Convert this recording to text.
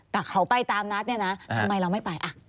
แต่เขาไปตามนัดเนี่ยนะทำไมเราไม่ไป